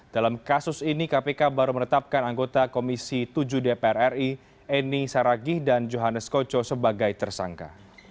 dalam kasus ini kpk baru menetapkan anggota komisi tujuh dpr ri eni saragih dan johannes koco sebagai tersangka